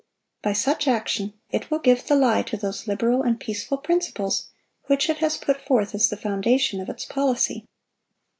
By such action it will give the lie to those liberal and peaceful principles which it has put forth as the foundation of its policy.